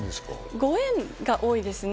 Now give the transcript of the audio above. ご縁が多いですね。